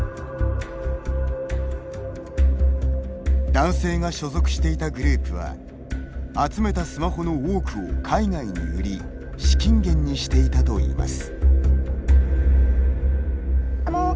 男性が所属していたグループは集めたスマホの多くを海外に売り資金源にしていたといいます。